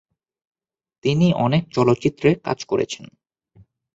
তিনি অনেক চলচ্চিত্রে কাজ করেছেন।